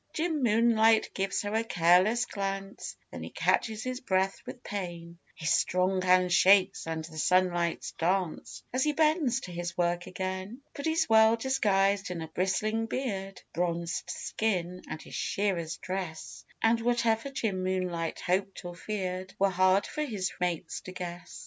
Jim Moonlight gives her a careless glance Then he catches his breath with pain His strong hand shakes and the sunlights dance As he bends to his work again. But he's well disguised in a bristling beard, Bronzed skin, and his shearer's dress; And whatever Jim Moonlight hoped or feared Were hard for his mates to guess.